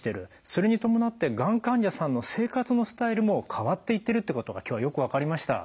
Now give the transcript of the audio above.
それに伴ってがん患者さんの生活のスタイルも変わっていってることが今日はよく分かりました。